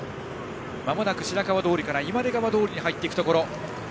まもなく白川通から今出川通に入っていくところ。